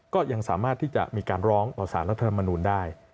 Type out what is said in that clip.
ก็ยังสามารถที่จะมีการร้องต่อสารรัฐธรรมนูลได้